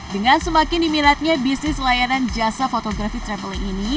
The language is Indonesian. dengan semakin diminatnya bisnis layanan jasa fotografi traveling ini